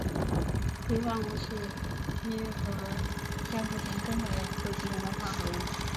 锑化物是锑和电负性更小的元素形成的化合物。